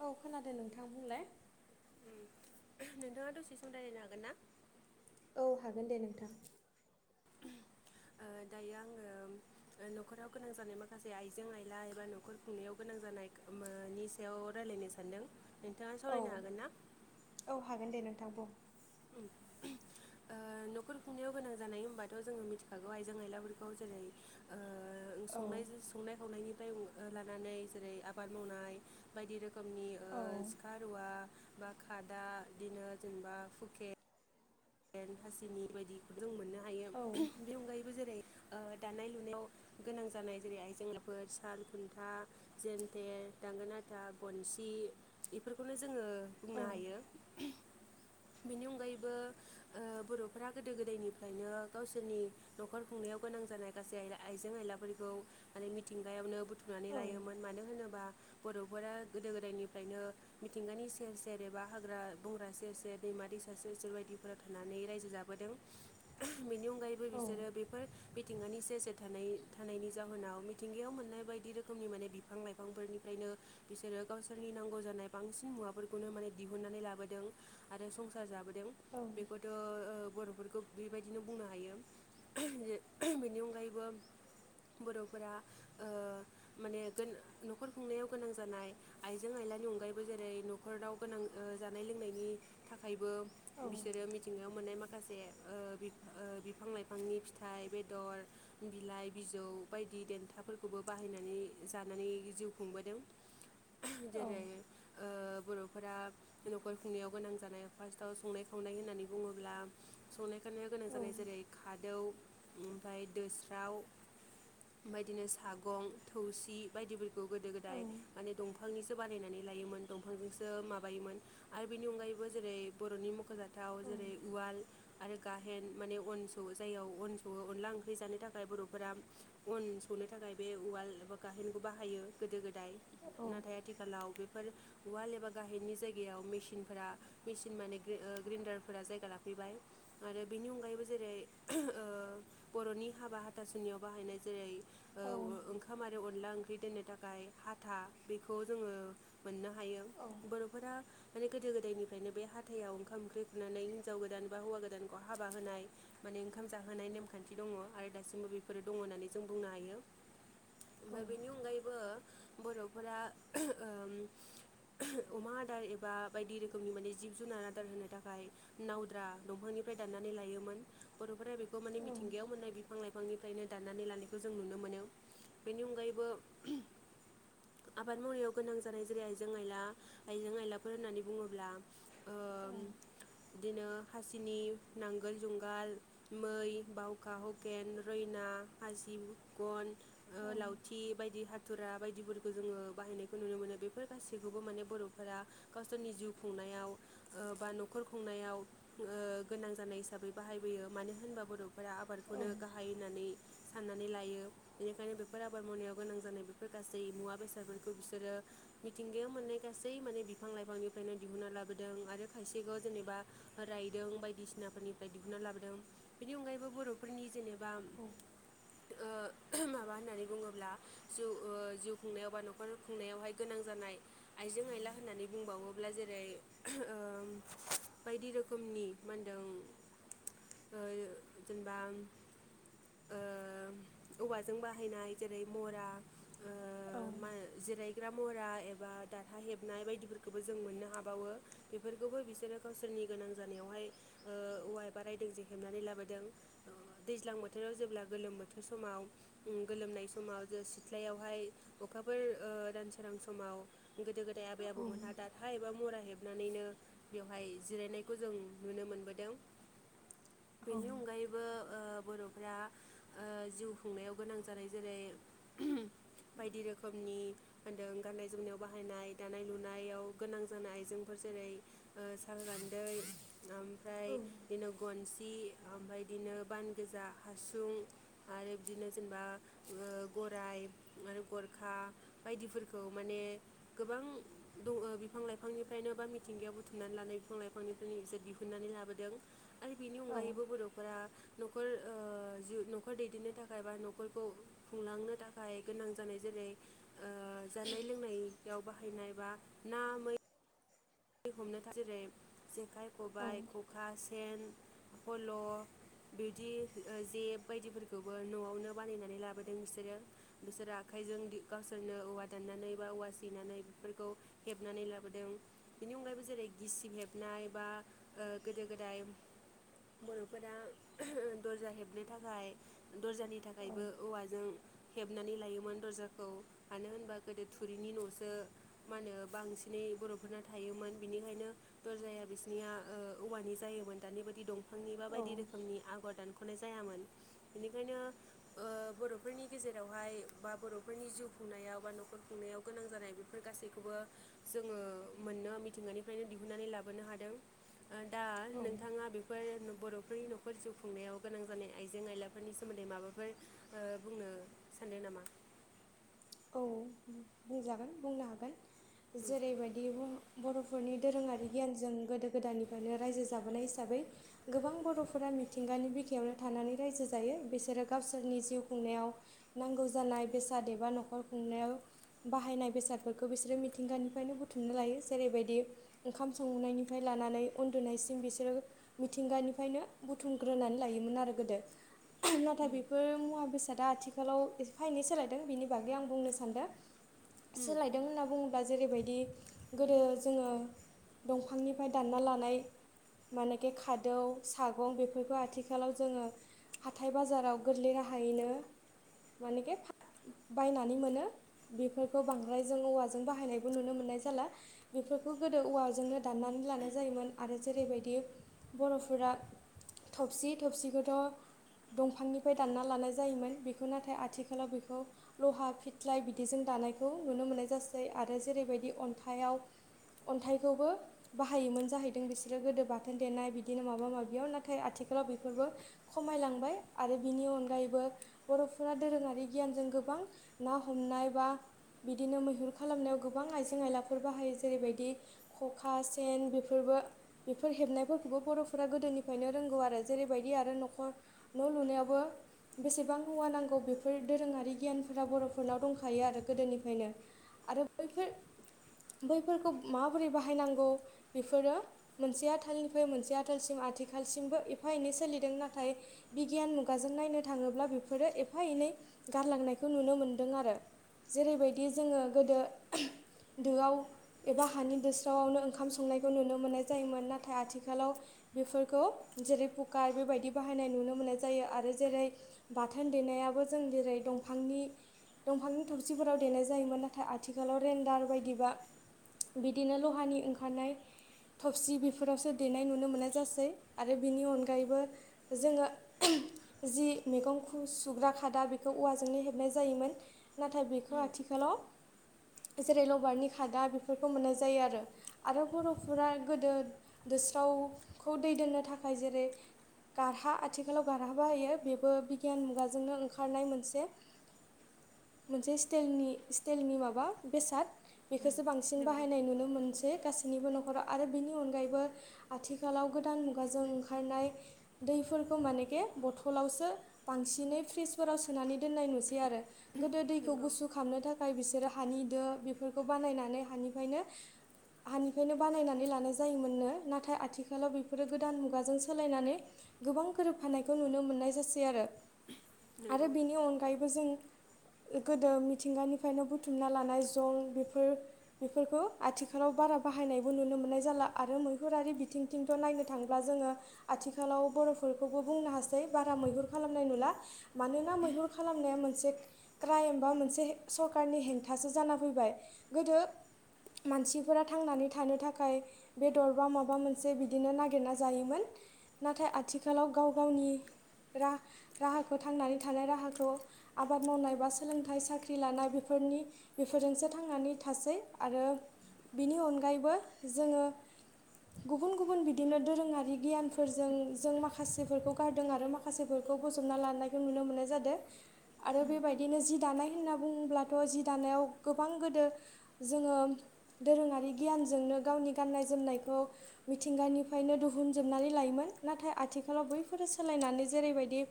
औ खोनादों नोंथां बुंलाय नोंथाङा दसे सम रायलायनो हागोन ना? औ हागोन दे नोंथां दायो आङो न'खराव गोनां जानाय माखासे आइजें आइला एबा न'खर खुंनायाव गोनां जानाय बेयाव रायज्लायनो सानदों नोंथाङा औ सावरायनो हागोन ना औ हागोन दे नोंथां बुं [inaudible] ओ न'खर खुंनायाव गोनां जानाय होनबाथ' जोङो मिथिखागौ आइजें आयलाफोरखौ जेरै ओ औ सं संनाय खावनायनिफ्राय लानानै जेरै आबाद मावनाय बायदि रो खोमनि ओ औ सिखा रुवा बा खादा बिदिनो जेनेबा हुखेन हासिनि बायदिखौ जों मोनो औ [inaudible] दानाय लुनायाव गोनां जानाय जेरै आइजेंनाफोर साल खुन्था जेन्थे दांगोना था गनसि बेफोरखौनो जोङो औ बुंनो हायो बेनि अनगायैबो [inaudible] बर'फ्रा गोदो गोदायनिफ्रायनो गावसोरनि न'खर खुंनायाव गोनां जानाय गासै आइजें आयलाफोर खौ माने मिथिंगायावनो बुथुमनानै औ लायोमोन मानो होनोबा बर'फोरा गोदो गोदायनिफ्रायनो मिथिंगानि सेर सेर एबा हाग्रा बंग्रा सेर सेर दै मा दैसा सेर सेर बायदिफोरा थानानै रायजो जाबोदों बेनि अनगायैबो औ बिसोरो बेफोर मिथिंगानि सेर सेर थानाय थानायनि जाहोनाव मिथिंगायाव मोननाय बायदि रोखोमनि माने बिफां लाइफांफोरनिफ्राय बिसोरो गावसोरनि नांगौ जानाय बांसिन मुवाफोरखौनो माने दिहुननानै लाबोदों आरो संसार जाबोदों औ बेखौथ' ओ गथ'फोरा बेबायदिनो बुंनो हायो बे [inaudible] बेनि अनगायैबो बर'फोरा ओ माने न'खर खुंनायाव गोनां जानाय आइजें आइला नि अनगायैबो जेरै न'खर दाव गोनां ओ जानाय लोंनायनि थाखायबो औ बिसोरो मिथिंगायाव मोननाय माखासे ओ बि ओ बिफां लाइफांनि फिथाइ बेदर बिलाइ बिजौ बायदि देन्थाफोरखौबो बाहायनानै जानानै जिउ खुंबोदों। जेरै ओ बर'फोरा न'खर खुंनायाव गोनां जानाय फार्स्टआव संनाय खावनाय संनाय होननानै बुङोब्ला संनाय खनायाव गोनां जानाय जेरै खादौ ओमफाय दोस्राव बेबायदिनो सागं थौसि बायदि ब खौ गोद गोदाय औ माने दंफां दफांनिसो बानायनानै लायोमोन दंफांजोंसो माबायोमोन आरो बिनि अनगायैबो जेरै बर'नि मख'जाथ थाव जेरै उवाल आरो गाहेन माने अन सौ जाययाव अन सौवो अनला ओंख्रि जानो थाखाय बर'फोरा अन सौनो थाखाय गाय बे उवाल एबा गाहेनखौ बाहायो गोदो गोदाय नाथाय आथिखालाव बेफोर औवाल एबा गाहेननि जायगायाव मेसिनफोरा मेसिन माने ओ ग्रीन एबा ग्रेनडारफोरा जायगा लाफैबाय आरो बिनि अनगायैबो जेरै [inaudible] ओ बर'नि नि हाबा हाथासुनियाव बाहायनाय जेरै ओ-ओंखाम आरो अनला ओंख्रि दोननो थाखाय हाथा बेखौ जोङो मोननो हायो बर'फोरा माने गोदो गोदायनिफ्रायनो बे हा हाथायाव ओंखाम ओंख्रि खुरनानै हिनजाव गोदान बा हौवा गोदानखौ हाबा होनाय माने ओंखाम जाहोनाय नेमखान्थि दं दङ' आरो दासिमबो बेफोरो दङ' होननानै जों बुंनो हायो। [inaudible] ओमफ्राय बेनि अनगायैबो बर'फोरा [inaudible] ओम [inaudible] अमा आदार एबा बायदि रोखोमनि माने जिब जुनार आदार होनो थाखाय नावद्रा दंफांनिफ्राय दाननानै लायोमोन बर'फोरा बेखौ खौ माने मिथिंगायाव मोननाय बिफां लाइ बिफांनिफ्रायनो दाननानै लानायखौ जों नुनो मोनो बेनि अनगायैबो [inaudible] आबाद मावनायाव गोनां जानाय जेरै आइजें आइला आइजें आइलाफोर होननानै बुङोब्ला ओ बिदिनो हासिनि नांगोल जुंगाल मै बावखा हकेन रैना हासि दिबखन ओ लावथि बायदि हा थुथुरा बायदिफोरखौ जोङो बाहायनायखौ नुनो मोनो बेफोर गासिखौबो माने बर'फोरा गावसोरनि जिउ खुंनायाव ओ बा न'खर खुंनायाव ओ गोनां जानाय हिसाबै बाहायबोयो मानो होनबा बर' फोरा आबादखौनो गाहाय होननानै साननानै लायो बेनिखायनो बेफोर आबाद मावनायाव गोनां जानाय बेफोर गासै मुवा बेसादफोरखौ बिसोरो मिथिंगायाव मोननाय गासै माने बिफां लाइफांनिफ्रायनो दिहुनना लाबो दों आरो खायसेखौ जेनेबा रायदों बायदिसिनाफोरनिफ्राय दिहुनना लाबोदों बेनि अनगायैबो बर'फोरनि जेनेबा ओ [inaudible] माबा होननानै बुङोब्ला जिउ ओ जिउ खुंनायाव बा न'खर खुंनायावहाय गोनां जानाय आइ जें आइला होननानै बुंबावोब्ला जेरै ओ [inaudible] बायदि रोखोमनि मा होनदों ओ जेनेबा ओ औवाजों बाहायनाय जेरै मरा औ जेरायग्रा मरा एबा दारहा हेबनाय बायदिफोरखौबो जों मोननो हाबावो बेफोरखौबो बिसोरो गावसोरनि गोनां जानायावहाय औवा बारायदों जे हेबनानै लाबोदों दैज्लां बोथोराव जेब्ला गोलोम बोथोर समाव गोलोमनाय समाव ज सिथ्लायावहाय अखाफोर दान सोरां समाव गोदो गोदाय आबै आबौमोनहा दारहा एबा मरा नानैनो बेवहाय जिरायनायखौ जों नुनो मोनबोदों बेनि अनगायैबो बर'फ्रा जिउ खुंनायाव गोनां जानाय जेरै बायदि रोखोमनि होनदों गाननाय जोमनायाव बाहायनाय दानाय लुनायाव गोनां जानाय जों जेरै साल गान्दै ओमफ्राय बिदिनो गन्सि [inaudible] ओमफ्राय बिदिनो बान गोजा हासुं आरो बिदिनो जेनेबा गराइ आरो गरखा बायदिफोरखौ माने गोबां दङ बिफां लाइफांनि फ्रायनोबा मिथिंगायाव बुथुमनानै लानाय बिफां लाइफांनिफ्राय इसे दिहुननानै लाबोदों आरो बिनि अनगायैबो बर'फोरा न'खर जिउ न'खर दैदेननो थाखाय बा न'खरखौ खुंलांनो थाखाय गोनां जानायजों जेरै जानाय लोंनायाव बाहायनाय बा ना मै हमनो थाखाय जेरै जेखाइ खबाइ खखा सेन पल' बिदि जेब बायदिफोरखौबो न'आवनो बानायनानै लाबोदों बिसोरो बिसोरो आखाय आखायजों गावसोरनो औवा दाननानै बा औवा सिनानै बेफोरखौ हेबनानै लाबोदों बेनि अनगायैबो जेरै गिसिं हेबनाय बा गोदो गोदाय बर'फोरा दर्जा हेबनो थाखाय दर्जानि थाखायबो औवाजों हेबनानै लायोमोन दर्जाखौ मानो होनबा गोदो थुरिनि न'सो मा होनो बांसिनै बर' फोरना थायोमोन बिनिखायनो दरजाया बिसनिया औवानि जायोमोन दानि बायदि दंफां आांनिबा बायदि औ रोखोमनि आगर दान खनाय जायामोन बेनिखायनो बर'फोरनि गेजेरावहाय बा बर'फोरनि जिउ खुंनायाव बा न'खर खुंनायाव गोनां जानाय बेफोर गासैखौबो जोङो मोननो मिथिंगानिफ्रायनो दिहुनन्नानै लाबोनो हादों दा औ नोंथाङा बेफोर बर'फोरनि न'खर जिउ खुंनायाव गोनां जानाय आइजें आयलाफोरनि सोमोन्दै माबाफोर बुंनो स थाननाय नामा औ बुंजागोन बुंनो हागोन उम जेरैबायदि बुं बर'फोरनि दोरोङारि गियानजों गोदो गोदायनिफ्रायनो रायजो जाबोनाय हिसाबै गोबां बर'फोरा मिथिंगानि बिखायावनो थानानै रायजो जायो बिसोरो गावसोरनि जिउ खुंनायाव नांगौ जानाय [inaudible] नखर खुंनायाव बाहायनाय बेसादफोरखौ बिसोरो मिथिंगानिफ्रायनो बुथुमनो लायो जेरैबायदि ओंखाम संनायनिफ्राय लानानै उन्दुनायसिम बिसोरो मिथिंगानिफ्रायनो बुथुमग्रोनानै लायोमोन आरो गोदो नाथाय बेफोर मुवा बेसादा आथिखालाव फाइनै सोलायदों बेनि ब आं बुंनो सानदों उम सोलायदों होनना बुं बा जेरैबायदि गोदो जोङो दंफांनिफ्राय दानना लानाय मानेखि खादौ सागं बेफोरखौ आथिखालाव जोङो हाथाय बाजाराव गोरलै राहायैनो मानेखे बायनानै मोनो बेफोरखौ बांद्रायजों औवाजों बाहायनायबो नुनो मोननाय जाला बेफोरखौ गो गोदो औवाजोंनो दाननानै लानाय जायोमोन आरो जेरैबायदि बर'फोरा थबसि थबसिखौथ' दंफांनिफ्राय दानना लानाय जायोमोन बेखौ नाथाय आथिखालाव बेखौ लहा फिथ्लाय बिदिजों दानायखौ नुनो मोननाय जासै आरो जेरैबायदि अन्थाइाव अन्थाइखौबो बाहायोमोन जाहैदों बिसोरो गोदो बाथोन देनाय बिदिनो माबा माबियाव नाथाय आथि खालाव बेफोराव बेफोरबो खमायलांबाय आरो बिनि अनगायैबो बर'फोरा दोरोङारि गियानजों गोबां ना हमनाय बा बिदिनो मैहुर खालामनायाव गोबां आइजें आइलाफोर बाहायो जेरैबायदि खखा सेन बेफोर बेफोर हेबनायफोरखौबो बर'फोरा गोदोनिफ्रायनो रोंगौ आरो जेरैबायदि आरो न'ख न' लु नायावसो बेसेबां मुवा नांगौ बेफोर दोरोङारि गियान फोर बर'फोरनाव दंखायो आरो गोदोनिफ्रायनो आरो बैफोर बैफोरखौ माबोरै बाहायनांगौ बेफोरो मोनसेया आथालनिफ्राय मोनसेया आथालसिम आ आथिखालसिमबो एफा एनै सोलिदों नाथाय बिगियान मुगाजों नायनो थाङोब्ला बेफोरो एफा एनै गारलांनायखौ नुनो मोनदों आरो जेरैबायदि जोङो गोदो दोआव एबा हानि दोस्रावआवनो ओंखाम संनायखौ नुनो मोननाय जायोमोन नाथाय आथिखालाव बेफोरखौ जेरै कुकार बेबायदि बाहायनाय नुनो मोननाय जायो आरो जेरै बाथोन देनाय याबो जों जेरै दं फांनि दंफांनि थरसिफोराव देनाय जायोमोन नाथाय आथिखालाव रेन्डार बायदिबा बिदिनो लहानि ओंखारनाय थफसि बेफोरावसो देनाय नुनो मोननाय जासै आरो बिनि अनगायैबो जोङो जि मैगं सुग्रा खादा बेखौ औवा हेबनाय जायोमोन नाथाय बेखौ उम आथिखालाव जेरै लबारनि खादा बेफोरखौ मोननाय जायो आरो आरो बर'फोरा गोदो दोस्रावखौ दै दोननो थाखाय जेरै गारहा आथिखालाव गारहा बाहायो बेबो बिगियान मुगाजोंनो ओंखारनाय मोनसे मोनसे सिस्टाइलनि स्टाइलनि माबा बेसाद उम बेखौसो बांसिन नंगौ बाहायनाय नुनो मोनसै गासै निबो न'खराव आरो बेनि अनगायैबो आथिखालाव गोदान मुगाजों ओंखारनाय दैफोर माने बथलावसो बांसिनै फ्रिजफोराव सोनानै दोननाय नुसै आरो गोदो दैखौ नंगौ गुसु खालामनो थाखाय बिसोर सोरो हानि दो बेफोरखौ बानायनानै हानिफ्रायनो हानिफ्रायनो बानायनानै लानाय जायोमोननो नाथाय आथिखालाव बेफोरो गोदान मुगाजों सोलायनानै गोबां गोरोबफानायखौ नुनो मोननाय जासै आरो आरो नंगौ बेनि अनगायैबो जों गोदो मिथिंगानिफ्रायनो बुथुमना लानाय जल बेफोर बेफोरखौ आथिखालाव बा बारा बाहायनायबो‌ नुनो मोननाय जाला आरो मैहुरारि बिथिंथ' नायनो थाङोब्ला जोङो आथिखालाव बर'फोरखौबो बुंनो हासै बारा मैहुर खालामनाय नुला मानोना मैहुर खालामनाया मोनसे क्राइम बा मोनसे सरखारारनि हेंथासो जाना फैबाय गोदो मानसिफोरा थांनानै थानो थाखाय बेदर बा माबा मोनसे बिदिनो नागिरना जायोमोन। नाथाय आथिखालाव गाव गावनि आबाद मावनाय बा सोलोंथाइ साख्रि लानाय बेफोरनि बेफोरजोंसो थांनानै थासै आरो बिनि अनगायैबो जोङो गुबुन गुबुन बिदिनो दोरोङारि गियानफोरजों जों माखासेफोरखौ गारदों आरो माखासे खौ बोजबना लानायखौ नुनो मोन्नाय जादों। आरो बेबायदिनो जि दानाय होनना बुङोब्लाथ' जि दानायाव गोबां गोदो जोङो दोरोङारि गियान जोंनो गावनि गाननाय जोमनायखौ मिथिंगानिफ्रायनो दिहुनजोबनानै लायोमोन नाथाय आथिखालाव बैफोर सोलायनानै जेरैबायदि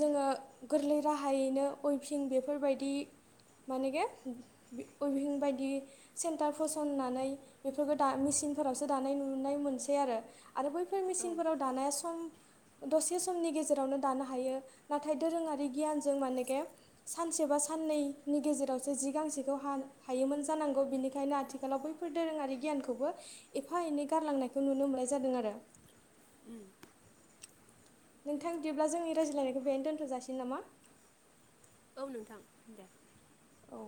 जोङो गोरलै राहायैनो अइफिं बेफोरबायदि मानेगे उइभिं बायदि सेन्टार फोसननानै बेफोरखौ दा मिसि सिनफोरावसो दानाय नुनाय मोनसै आरो। आरो बैफोर औ मेचिनफोराव दानाया सम दसे समनि गेजेरावनो दानो हायो ना नाथाय दोरोङारि गियानजों मानेके सानसे बा साननैनि गेजेरावसो जि गांसेखौ हा हायोमोन जानांगौ बिनिखायनो आथिखालाव बैफोर दोरोङारि गियानखौबो एफा एनै गारलांनायखौ नुनो मोन नाय जादों आरो। ओम नोंथां बिदिब्ला जोंनि रायज्लायनायखौ बेहायनो दोन्थ'जासिगोन नामा? औ नोंथां दे। औ